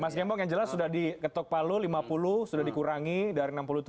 mas gembong yang jelas sudah diketok palu lima puluh sudah dikurangi dari enam puluh tujuh